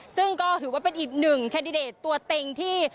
ซึ่งก็ถือว่าเป็นอีกหนึ่งแคนดิเดตตัวเต็งที่